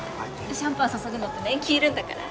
シャンパン注ぐのって年季いるんだから。